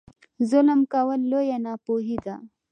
ظلم کول لویه ناپوهي ده.